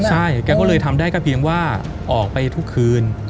ใช่แกก็เลยทำได้ก็เพียงว่าออกไปทุกคืน